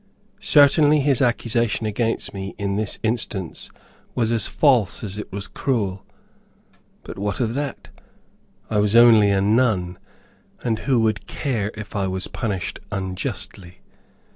Certainly his accusation against me in this instance was as false as it was cruel. But what of that? I was only a nun, and who would care if I was punished unjustly?